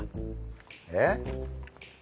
えっ？